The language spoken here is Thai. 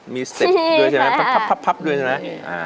มีเซ็ปด้วยใช่ไหมพับด้วยใช่ไหม